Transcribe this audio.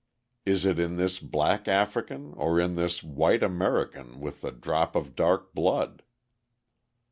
Is it in this black African or in this white American with the drop of dark blood?"